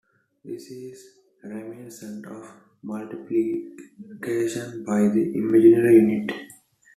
This is reminiscent of multiplication by the imaginary unit.